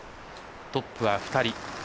トップは２人。